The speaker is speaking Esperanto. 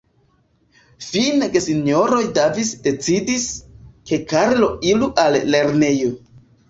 Fine gesinjoroj Davis decidis, ke Karlo iru al lernejo.